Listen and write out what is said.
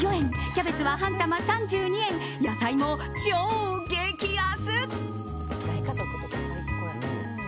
キャベツは半玉３２円野菜も超激安！